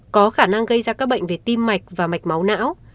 có khả năng gây ra các bệnh về tim mạch và mạch máu não